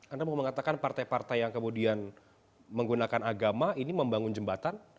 anda mau mengatakan partai partai yang kemudian menggunakan agama ini membangun jembatan